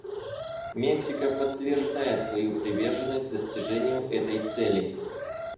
Мексика подтверждает свою приверженность достижению этой цели.